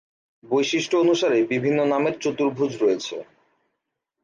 বৈশিষ্ট্য অনুসারে বিভিন্ন নামের চতুর্ভুজ রয়েছে।